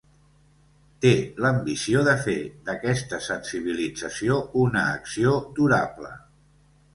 Té l'ambició de fer d'aquesta sensibilització una acció durable.